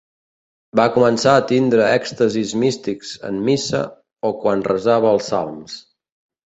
Va començar a tindre èxtasis místics en missa o quan resava els salms.